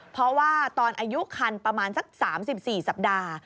เพราะว่าตอนอายุคันประมาณสัก๓๔สัปดาห์